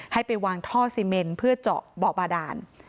ให้ไปวางท่อซีเมนเพื่อเจาะบ่อบาดาน